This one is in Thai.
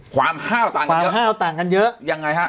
ความห้าวต่างกันเยอะความห้าวต่างกันเยอะยังไงครับ